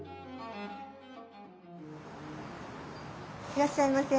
いらっしゃいませ。